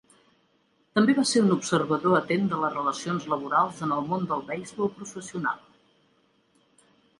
També va ser un observador atent de les relacions laborals en el món del beisbol professional.